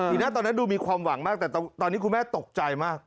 หน้าตอนนั้นดูมีความหวังมากแต่ตอนนี้คุณแม่ตกใจมาก